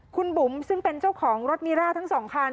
คุณบุ๋มซึ่งเป็นเจ้าของรถมิร่าทั้งสองคัน